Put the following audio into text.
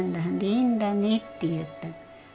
いいんだね」って言った。